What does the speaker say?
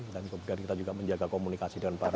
dan kemudian kita juga menjaga komunikasi dengan para